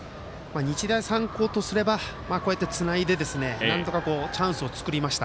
日大三高とすればこうやってつないでチャンスを作りました。